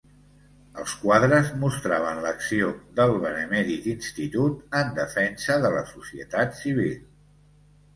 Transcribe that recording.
Els quadres mostraven l'acció del Benemèrit Institut en defensa de la societat civil.